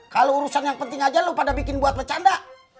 kalau urusan yang penting aja lo pada bikin buat bercanda